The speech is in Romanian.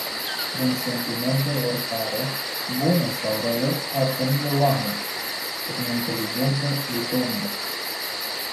Prin sentimente oricare: bune sau rele, atârni de oameni. Prin inteligență îi domini.